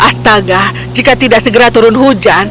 astaga jika tidak segera turun hujan